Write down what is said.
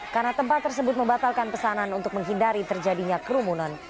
karena tempat tersebut membatalkan pesanan untuk menghindari terjadinya kerumunan